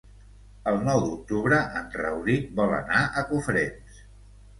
El nou d'octubre en Rauric vol anar a Cofrents.